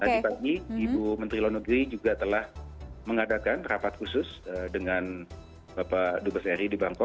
tadi pagi ibu menteri luar negeri juga telah mengadakan rapat khusus dengan bapak dubes eri di bangko